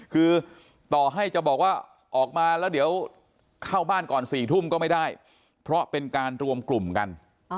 คือต่อให้จะบอกว่าออกมาแล้วเดี๋ยวเข้าบ้านก่อน๔ทุ่มก็ไม่ได้เพราะเป็นการรวมกลุ่มกัน